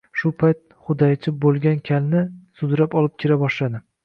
Shu payt hudaychi Bo‘lgan Kalni sudrab olib kira boshlaydi.